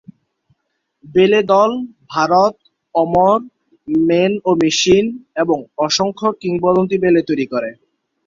ব্যালে দল "ভারত", "অমর", "ম্যান ও মেশিন" এবং অসংখ্য কিংবদন্তী ব্যালে তৈরী করে।